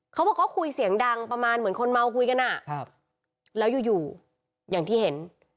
เขาบอกเขาคุยเสียงดังประมาณเหมือนคนเมาคุยกันอ่ะครับแล้วอยู่อย่างที่เห็น